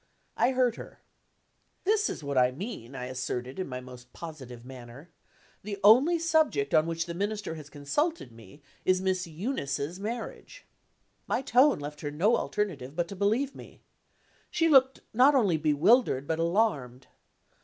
I heard her. "This is what I mean," I asserted, in my most positive manner. "The only subject on which the Minister has consulted me is Miss Eunice's marriage." My tone left her no alternative but to believe me. She looked not only bewildered, but alarmed.